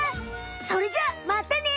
それじゃまったね！